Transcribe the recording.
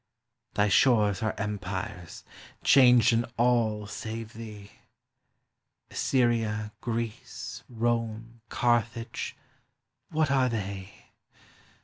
Thy shores are empires, changed in all save thee; Assyria, Greece, Rome, Carthage, what are they?